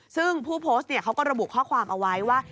ซึ่งผู้โพสต์เขาก็ระบุข้อความเอาไว้ว่า